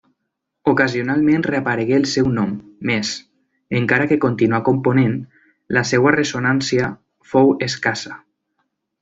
Ocasionalment reaparegué el seu nom, més, encara que continuà component, la seva ressonància fou escassa.